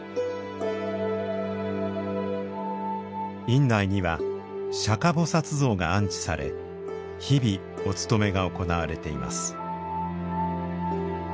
院内には釈迦菩薩像が安置され日々お勤めが行われています。